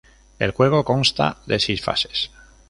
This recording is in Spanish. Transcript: El juego consta de seis fases.